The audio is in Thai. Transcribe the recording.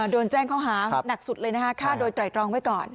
โดนแจ้งข้อหานักสุดเลยนะคะฆ่าโดยไตรตรองไว้ก่อน